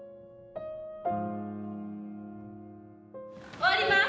終わります。